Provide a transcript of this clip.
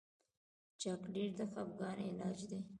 چاکلېټ د خفګان علاج دی.